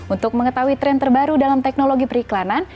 untuk mengetahui tren terbaru dalam teknologi periklanan